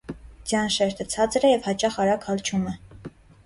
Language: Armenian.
Ձյան շերտը ցածր է և հաճախ արագ հալչում է։